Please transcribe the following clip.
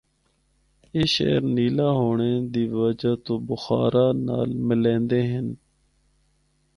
اے شہر نیلا ہونڑے دی وجہ تو بخارا نال ملیندے ہن۔